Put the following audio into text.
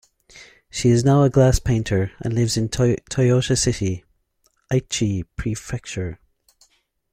She is now a glass painter, and lives in Toyota City, Aichi Prefecture.